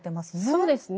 そうですね。